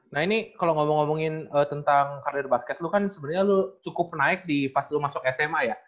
nah ini kalau ngomong ngomongin tentang karir basket lu kan sebenarnya lo cukup naik di pas lu masuk sma ya